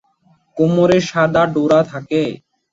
কোমরে সাদা ডোরা থাকে।